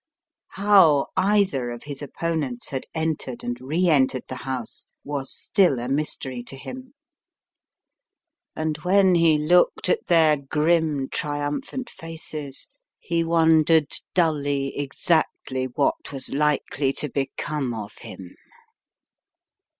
How either of his opponents had entered and re entered the house was still a mystery to him, and when he looked at their grim, triumphant faces he wondered dully exactly what was likely to become of him.